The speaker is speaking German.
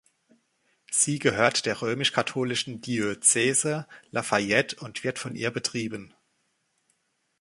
Sie gehört der römisch-katholischen Diözese Lafayette und wird von ihr betrieben.